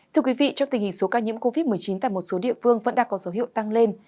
thưa quý vị trong tình hình số ca nhiễm covid một mươi chín tại một số địa phương vẫn đang có dấu hiệu tăng lên